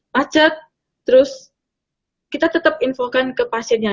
macet terus kita tetap infokan ke pasiennya